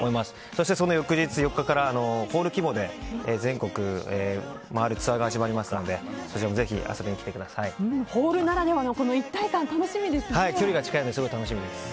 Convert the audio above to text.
そして、その翌日４日からホール規模で全国回るツアーが始まりますのでホールならではの一体感距離が近いので楽しみです。